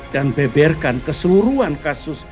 dan beberkan keseluruhan kasus